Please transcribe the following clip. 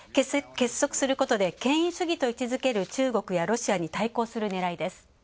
結束することで権威主義と位置づける中国やロシアに対抗するねらいです。